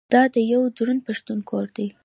دا د یوه دروند پښتون کور دی.